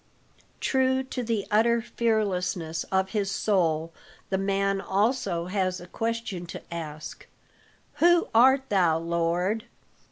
True to the utter fearlessness of his soul, the man also has a question to ask, "Who art thou, Lord?"